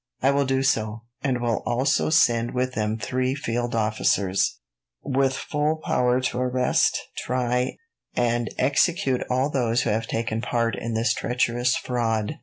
"I will do so, and will also send with them three field officers, with full power to arrest, try, and execute all those who have taken part in this treacherous fraud."